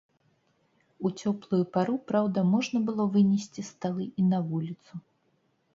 У цёплую пару, праўда, можна было вынесці сталы і на вуліцу.